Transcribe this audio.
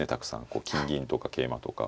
こう金銀とか桂馬とか。